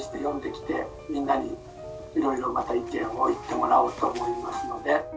読んできてみんなにいろいろまた意見を言ってもらおうと思いますので。